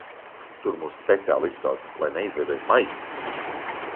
"Tur mūs speciāli izsauca, lai neizveidojas "maiss"."